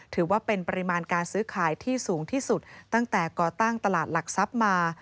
ถือว่าเป็นปริมาณการซื้อขายที่สูงที่สุดตั้งแต่ก่อตั้งตลาดหลักทรัพย์มา